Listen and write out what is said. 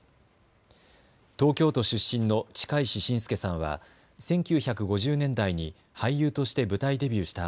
東京都出身の近石真介さんは１９５０年代に俳優として舞台デビューした